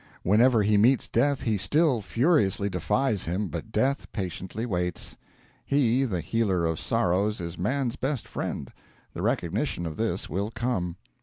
Whenever he meets Death he still furiously defies him but Death patiently waits. He, the healer of sorrows, is man's best friend: the recognition of this will come.